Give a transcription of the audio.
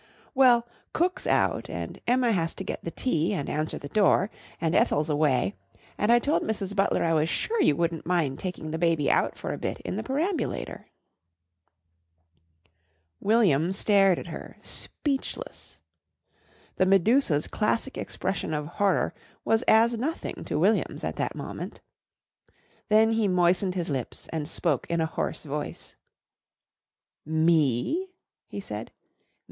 "Well, cook's out and Emma has to get the tea and answer the door, and Ethel's away, and I told Mrs. Butler I was sure you wouldn't mind taking the baby out for a bit in the perambulator!" William stared at her, speechless. The Medusa's classic expression of horror was as nothing to William's at that moment. Then he moistened his lips and spoke in a hoarse voice. "Me?" he said.